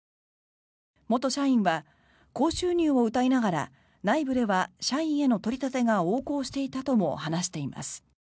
元社員は高収入をうたいながら内部では社員への取り立てが横行していたとも話しています。